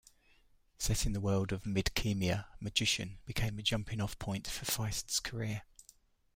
Set in the world of Midkemia, "Magician" became a jumping-off point for Feist's career.